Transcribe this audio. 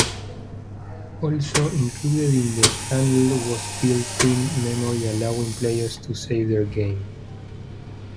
Also included in the handheld was built-in memory allowing players to save their game.